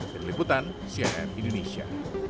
dari liputan crn indonesia